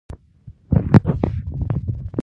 خان زمان وویل، ډېر ښه، ځکه زه له باران څخه بیریږم.